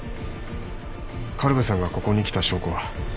苅部さんがここに来た証拠は。